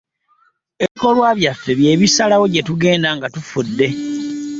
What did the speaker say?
Ebikolwa byaffe bye busalawo gye tugenda nga tufudde.